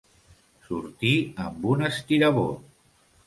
Sortir amb un estirabot.